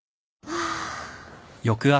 ハァ。